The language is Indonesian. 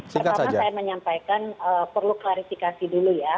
pertama saya menyampaikan perlu klarifikasi dulu ya